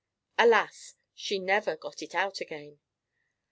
Alas! she never got it out again.